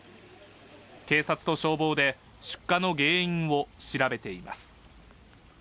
警察と消防で出火の原因を調べています。